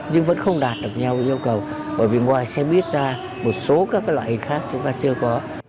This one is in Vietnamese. nhưng vẫn không đạt được nhau yêu cầu bởi vì ngoài xem ít ra một số các loại hình khác chúng ta chưa có